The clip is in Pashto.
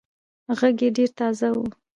غږ يې ډېر تازه وو.